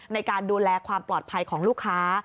ในการดูแลความปลอดภัยของลูกค้า